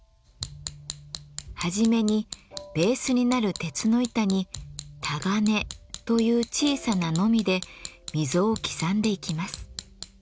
初めにベースになる鉄の板にたがねという小さなのみで溝を刻んでいきます。